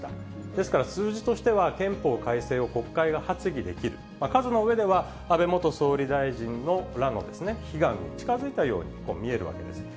ですから数字としては、憲法改正を国会が発議できる、数のうえでは安倍元総理大臣らの悲願に近づいたように見えるわけです。